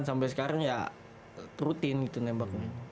sampai sekarang ya rutin gitu nembaknya